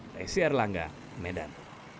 reksi arlangga medan